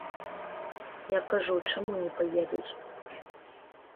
Я кажу, чаму не паедуць?